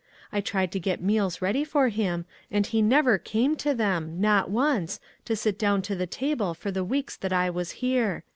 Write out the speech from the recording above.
I tried to get meals ready for him, and he never came to them ; not once, to sit down to the table for the weeks that I was here.